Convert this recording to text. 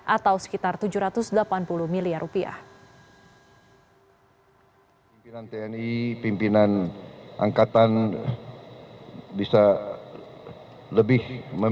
atau sekitar tujuh ratus delapan puluh miliar rupiah